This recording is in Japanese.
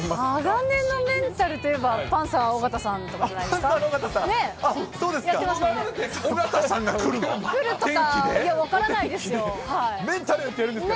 鋼のメンタルといえば、パンサー・尾形さんじゃないですか。